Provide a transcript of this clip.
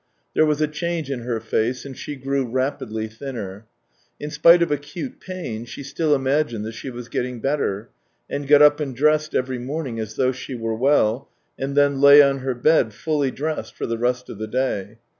There was a change in her face, and she grew rapidly thinner. In spite of acute pain she still imagined that she was getting better, and got up and dressed every morning as though she were well, and then lay on her bed, fully dressed, for the rest of the day.